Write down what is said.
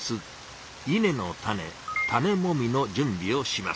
稲の種種もみの準備をします。